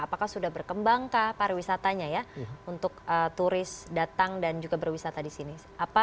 apakah sudah berkembangkah pariwisatanya ya untuk turis datang dan juga berwisata di sini